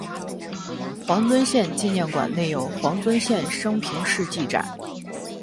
黄遵宪纪念馆内有黄遵宪生平事迹展。